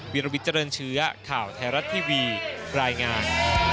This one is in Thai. วิลวิทเจริญเชื้อข่าวไทยรัฐทีวีรายงาน